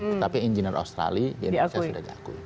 tetapi engineer australia sudah diakui